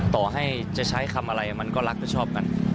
ต่อให้จะใช้คำอะไรมันก็รักก็ชอบกัน